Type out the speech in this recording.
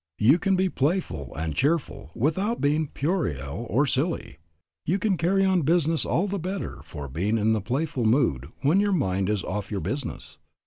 You can be playful and cheerful without being puerile or silly. You can carry on business all the better for being in the playful mood when your mind is off your business.